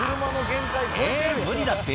「えっ無理だって？」